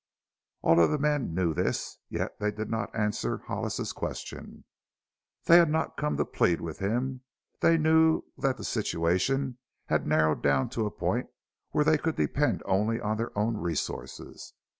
All of the men knew this. Yet they did not answer Hollis's question. They had not come to plead with him; they knew that the situation had narrowed down to a point where they could depend only on their own resources.